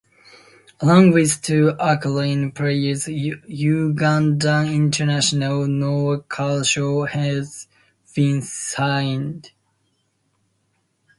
Along with two Ukrainian players, Ugandan international, Noah Kasule, has been signed.